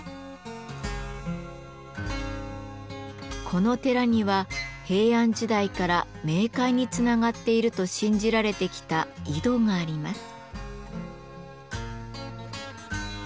この寺には平安時代から冥界につながっていると信じられてきた井戸があります。